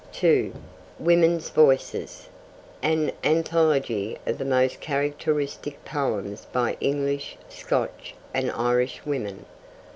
(2) Women's Voices: An Anthology of the most Characteristic Poems by English, Scotch, and Irish Women.